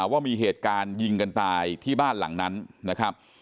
ว่ามีเหตุการณ์ยิงกันตายที่บ้านหลังนั้นนะครับ